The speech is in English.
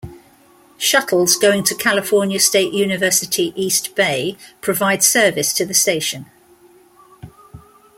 Shuttles going to California State University, East Bay provide service to the station.